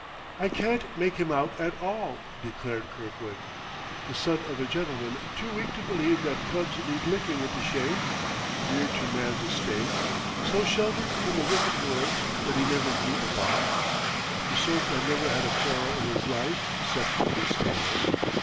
"I can't make him out at all!" declared Kirkwood. "The son of a gentleman too weak to believe that cubs need licking into shape? Reared to man's estate, so sheltered from the wicked world that he never grew a bark?... The sort that never had a quarrel in his life, 'cept with his tailor?...